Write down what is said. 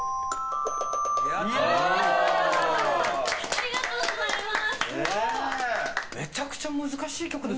ありがとうございます。